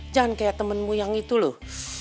jangan kayak temenmu yang itu loh